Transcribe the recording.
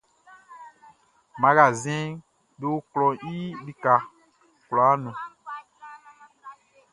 Magasinʼm be o klɔʼn i lika kwlaa nun.